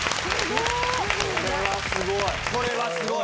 これはすごい。